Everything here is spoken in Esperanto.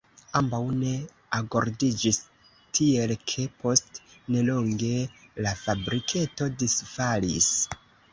Ambaŭ ne agordiĝis, tiel ke post nelonge la fabriketo disfalis.